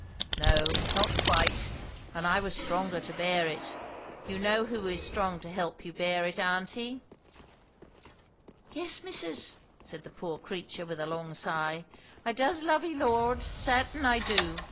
"No, not quite, and I was stronger to bear it. You know who is strong to help you bear it, aunty?" "Yes, missus," said the poor creature with a long sigh; "I does love de Lord; sartain, I do.